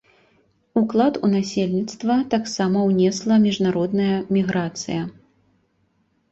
Уклад у насельніцтва таксама ўнесла міжнародная міграцыя.